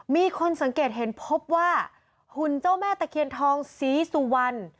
มีคนสังเกตเห็นพบว่าหุ่นเจ้าแม่ตะเคียนทองศรีสุวรรณ